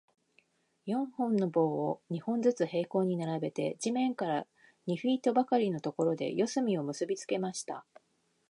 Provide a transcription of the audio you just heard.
四本の棒を、二本ずつ平行に並べて、地面から二フィートばかりのところで、四隅を結びつけました。